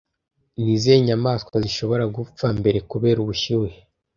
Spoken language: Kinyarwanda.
Ni izihe nyamaswa zishobora gupfa mbere kubera ubushyuhe